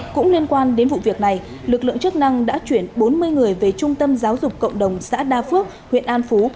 cũng liên quan đến vụ việc này lực lượng chức năng đã chuyển bốn mươi người về trung tâm giáo dục cộng đồng xã đa phước huyện an phú